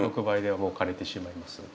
１６倍ではもう枯れてしまいます。